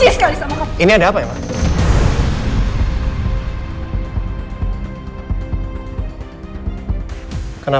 kamu jangan dreaming gue ya